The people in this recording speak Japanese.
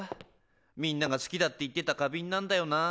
みんなが好きだって言ってた花瓶なんだよな。